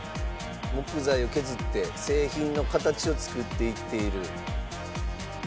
木材を削って製品の形を作っていっている。